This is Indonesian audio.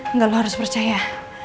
enggak lo harus percaya